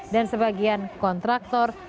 dan sebagian kontraktor